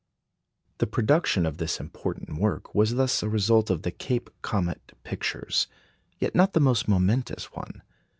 The production of this important work was thus a result of the Cape comet pictures; yet not the most momentous one.